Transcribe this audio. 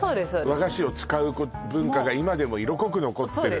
和菓子を使う文化が今でも色濃く残ってるのね